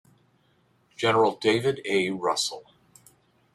General David A. Russell.